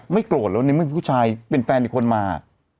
ไม่โกรธแล้วเนี่ยไม่มีผู้ใจเป็นแฟนอีกคนมา